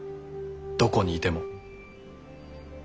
どこにいても。